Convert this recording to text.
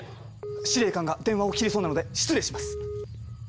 司令官が電話を切りそうなので失礼します！